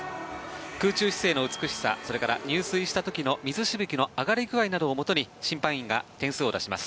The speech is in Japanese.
空中姿勢の美しさそれから入水した時の水しぶきの上がり具合などをもとに審判員が点数を出します。